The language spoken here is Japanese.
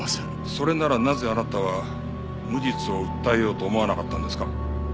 それならなぜあなたは無実を訴えようと思わなかったんですか？